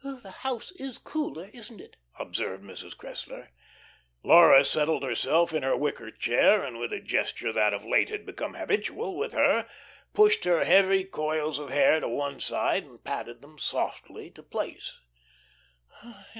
"The house is cooler, isn't it?" observed Mrs. Cressler. Laura settled herself in her wicker chair, and with a gesture that of late had become habitual with her pushed her heavy coils of hair to one side and patted them softly to place.